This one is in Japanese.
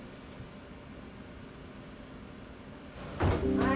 はい。